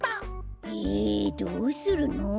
えどうするの？